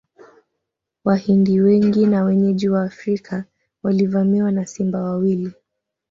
Wahindi wengi na wenyeji Waafrika walivamiwa na simba wawili